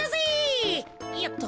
よっと。